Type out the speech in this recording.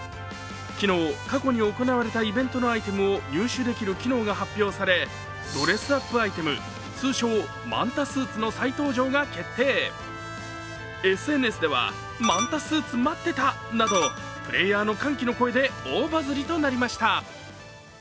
昨日、過去に行われたイベントのアイテムを入手できる機能が発表されドレスアップアイテム、通称・マンタスーツの再登場が決定ＳＮＳでは、プレーヤーの歓喜の声で大バズりとなりました。